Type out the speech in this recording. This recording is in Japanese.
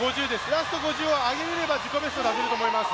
ラスト５０を上げれれば自己ベスト出せると思います。